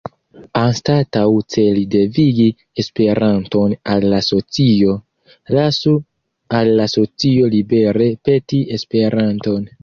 Anstataŭ celi devigi Esperanton al la socio, lasu al la socio libere peti Esperanton.